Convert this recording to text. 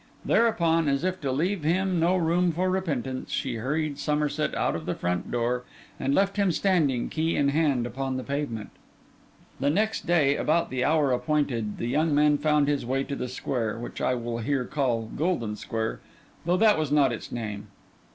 Thereupon, as if to leave him no room for repentance, she hurried Somerset out of the front door, and left him standing, key in hand, upon the pavement. The next day, about the hour appointed, the young man found his way to the square, which I will here call Golden Square, though that was not its name.